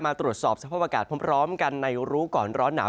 ตรวจสอบสภาพอากาศพร้อมกันในรู้ก่อนร้อนหนาว